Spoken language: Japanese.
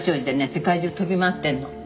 世界中飛び回ってるの。